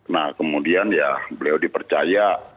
nah kemudian ya beliau dipercaya